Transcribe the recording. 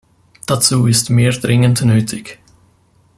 Dazu ist mehr dringend nötig.